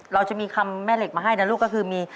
เราจะมีคำแม่เหล็กมาให้นะลูกก็คือมี